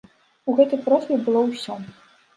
У гэтай просьбе было ўсё.